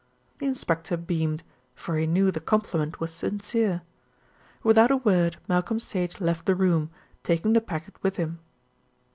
The inspector beamed; for he knew the compliment was sincere. Without a word Malcolm Sage left the room, taking the packet with him.